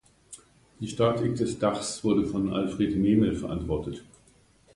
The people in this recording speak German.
Die Statik des Dachs wurde von Alfred Mehmel verantwortet.